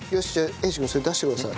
英二君それ出してください。